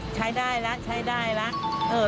ใช้ได้แล้วใช้ได้แล้ว